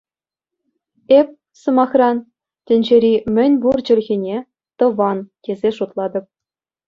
Эп, сӑмахран, тӗнчери мӗнпур чӗлхене "тӑван" тесе шутлатӑп.